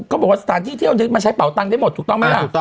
บอกว่าสถานที่เที่ยวมันใช้เป่าตังได้หมดถูกต้องไหมล่ะ